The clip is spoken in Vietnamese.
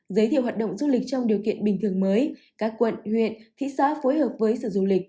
giới thiệu hoạt động du lịch trong điều kiện bình thường mới các quận huyện thị xã phối hợp với sở du lịch